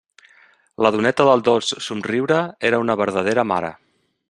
La doneta del dolç somriure era una verdadera mare.